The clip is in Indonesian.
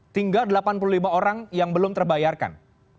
tinggal delapan puluh lima orang yang belum terbayarkan